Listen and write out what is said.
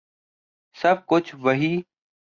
سَب کُچھ وہی